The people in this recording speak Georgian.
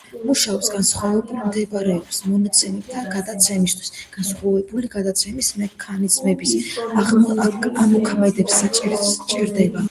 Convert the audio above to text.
მუშაობის განსხვავებულ მეთოდებს მონაცემთა გადაცემისთვის განსხვავებული გადაცემის მექანიზმების ამოქმედება სჭირდება.